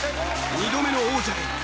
２度目の王者へ！